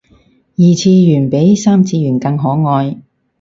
二次元比三次元更可愛